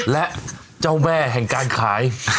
และเจ้าแม่แห่งการขาย